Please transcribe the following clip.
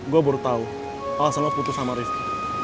gue baru tahu al sama putus sama rifki